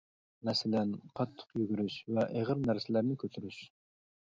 مەسىلەن، قاتتىق يۈگۈرۈش ۋە ئېغىر نەرسىلەرنى كۆتۈرۈش.